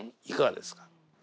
いかがですか？